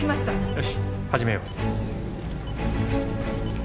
よし始めよう。